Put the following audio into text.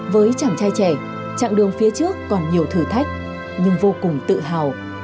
với chàng trai trẻ chặng đường phía trước còn nhiều thử thách nhưng vô cùng tự hào